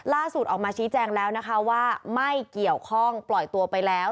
ออกมาชี้แจงแล้วนะคะว่าไม่เกี่ยวข้องปล่อยตัวไปแล้ว